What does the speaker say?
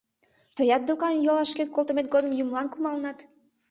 — Тыят докан йолашышкет колтымет годым Юмылан кумалынат?